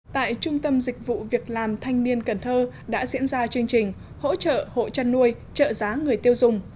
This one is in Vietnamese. tại trung tâm dịch vụ việc làm thanh niên cần thơ đã diễn ra chương trình hỗ trợ hộ chăn nuôi trợ giá người tiêu dùng